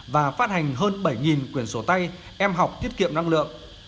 và phát hành hơn bảy quyền sổ tay em học tiết kiệm năng lượng